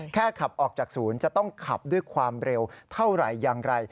ขับออกจากศูนย์จะต้องขับด้วยความเร็วเท่าไหร่อย่างไร